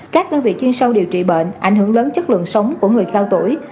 các đơn vị chuyên sâu điều trị bệnh ảnh hưởng lớn chất lượng sống của người cao tuổi